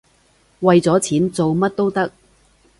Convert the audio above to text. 為咗錢，做乜都得